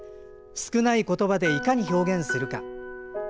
少ないことばでいかに表現するか。